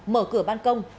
mở cửa ban công